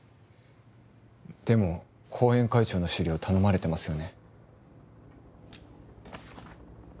でも後援会長の資料頼まれてますよね？